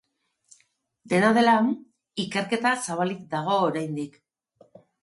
Dena dela, ikerketa zabalik dago oraindik.